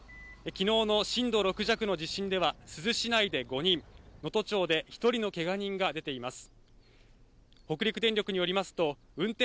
昨日の震度６弱の地震では珠洲市内で５人、能登町で１人のけが人が出ています。